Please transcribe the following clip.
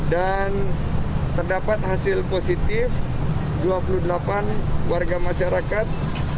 dan terdapat hasil positif dua puluh delapan warga masyarakat